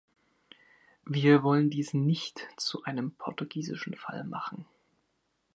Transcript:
Wir wollen dies nicht zu einem portugiesischen Fall machen.